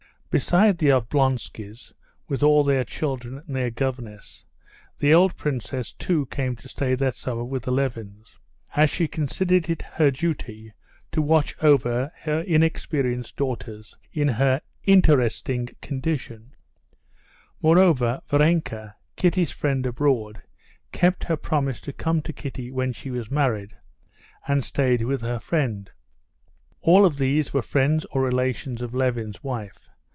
Besides the Oblonskys, with all their children and their governess, the old princess too came to stay that summer with the Levins, as she considered it her duty to watch over her inexperienced daughter in her interesting condition. Moreover, Varenka, Kitty's friend abroad, kept her promise to come to Kitty when she was married, and stayed with her friend. All of these were friends or relations of Levin's wife.